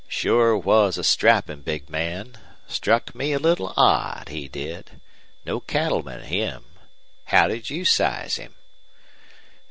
"Sure was a strappin' big man. Struck me a little odd, he did. No cattleman, him. How'd you size him?"